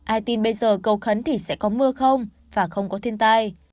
ai tin bây giờ cầu khấn thì sẽ có mưa không và không có thiên tai